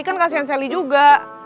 kan kasian sally juga